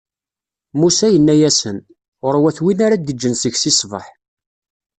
Musa yenna-asen: ɣur-wat win ara d-iǧǧen seg-s i ṣṣbeḥ.